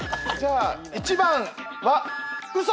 じゃあ１番は。